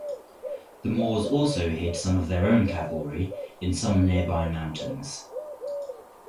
The Moors also hid some of their own cavalry in some nearby mountains.